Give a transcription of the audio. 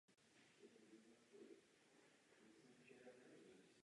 Je to velký nepořádek.